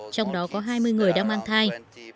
trong đó có hai mươi người đang mang thai